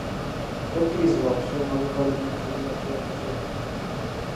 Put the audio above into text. Tokkirizibwa kusonga lugalo mu kinnya ky’omusota.